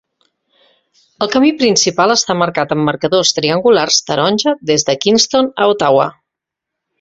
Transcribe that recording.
El camí principal està marcat amb marcadors triangulars taronja des de Kingston a Ottawa.